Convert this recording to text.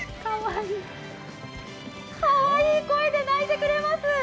かわいい声で鳴いてくれます。